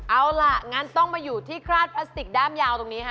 เอาล่ะงั้นต้องมาอยู่ที่คราดพลาสติกด้ามยาวตรงนี้ค่ะ